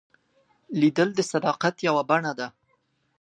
لیدل د صداقت یوه بڼه ده